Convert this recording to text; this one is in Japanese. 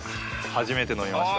初めて飲みました。